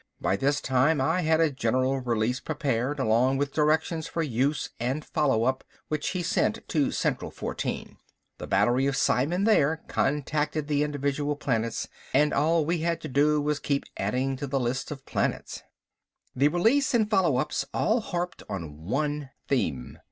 By this time I had a general release prepared, along with directions for use and follow up, which he sent to Central 14. The battery of psimen there contacted the individual planets and all we had to do was keep adding to the list of planets. The release and follow ups all harped on one theme.